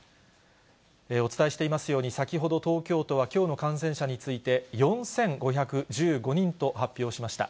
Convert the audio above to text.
お伝えしていますように、先ほど、東京都はきょうの感染者について、４５１５人と発表しました。